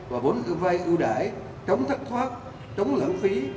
và vốn vay ưu đải chống thất thoát chống lãng phí